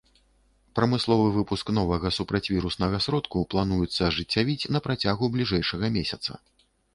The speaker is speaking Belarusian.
Прамысловы выпуск новага супрацьвіруснага сродку плануецца ажыццявіць на працягу бліжэйшага месяца.